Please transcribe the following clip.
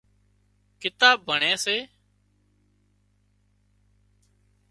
ڪتاب ڀڻي سي